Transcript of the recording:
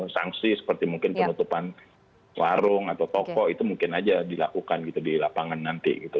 sanksi seperti mungkin penutupan warung atau toko itu mungkin aja dilakukan gitu di lapangan nanti gitu